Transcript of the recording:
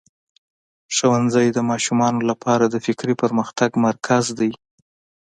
ښوونځی د ماشومانو لپاره د فکري پرمختګ مرکز دی.